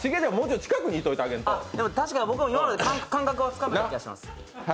確かに僕、感覚はつかめてきた気がします。